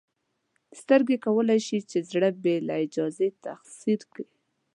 سترګې کولی شي چې زړه بې له اجازې تسخیر کړي.